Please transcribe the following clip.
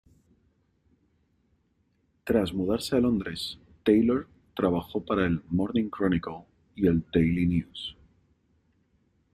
Tras mudarse a Londres, Taylor trabajó para el "Morning Chronicle" y el "Daily News".